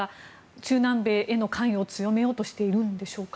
中南米への関与を強めようとしているんでしょうか。